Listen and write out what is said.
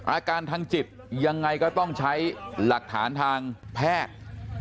อาการทางจิตยังไงก็ต้องใช้หลักฐานทางแพทย์